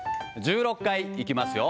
１６回いきますよ。